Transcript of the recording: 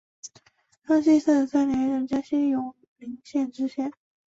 康熙三十三年任江西永宁县知县。